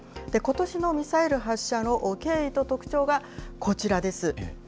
ことしのミサイル発射の経緯と特徴はこちらです。